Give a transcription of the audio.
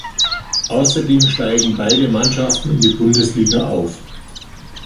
Außerdem steigen beide Mannschaften in die Bundesliga auf.